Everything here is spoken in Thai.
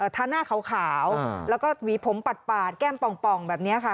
ทาหน้าขาวแล้วก็หวีผมปาดแก้มป่องแบบนี้ค่ะ